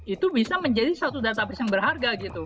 itu bisa menjadi satu data persis